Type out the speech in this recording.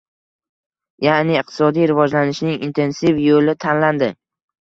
Yaʼni iqtisodiy rivojlanishning intensiv yoʻli tanlandi.